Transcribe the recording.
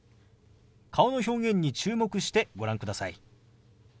顔の表現に注目してご覧ください。